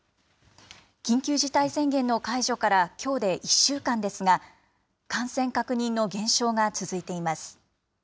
緊急事態宣言の解除から、きょうで１週間ですが、感染確認の減少が続いています。